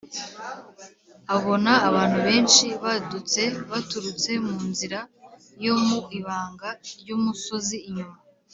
abona abantu benshi badutse baturutse mu nzira yo mu ibanga ry’umusozi inyuma.